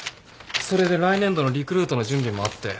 それで来年度のリクルートの準備もあって。